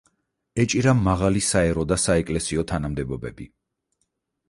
ეჭირა მაღალი საერო და საეკლესიო თანამდებობები.